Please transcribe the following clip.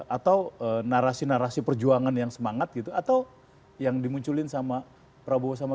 atau narasi narasi perjuangan yang semangat gitu atau yang dimunculin sama prabowo sama